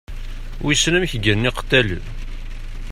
Wissen amek gganen yiqettalen?